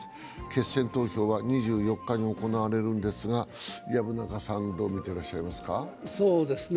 決戦投票は２４日に行われるんですが薮中さん、どう見てらっしゃいますか？